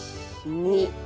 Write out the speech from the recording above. ２。